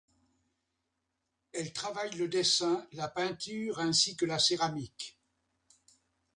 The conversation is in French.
Elle travaille le dessin, la peinture, ainsi que la céramique.